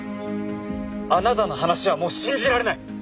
あなたの話はもう信じられない！